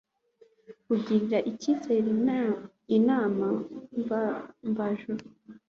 kugirira icyizere inama mvajuru